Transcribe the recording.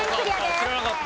知らなかった。